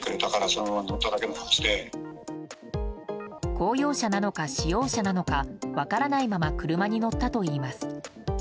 公用車なのか私用車なのか分からないまま車に乗ったといいます。